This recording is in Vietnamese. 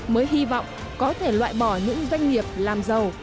mới hy vọng có thể loại bỏ những doanh nghiệp làm giàu